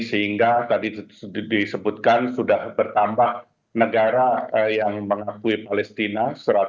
sehingga tadi disebutkan sudah bertambah negara yang mengakui palestina